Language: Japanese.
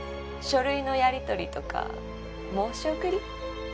書類のやりとりとか申し送り？